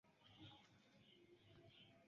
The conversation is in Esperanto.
Ĝi estas la tria plej granda urbo en Saksio.